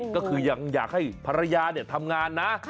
ก็คือยังอยากให้ภรรยาทำงานนะ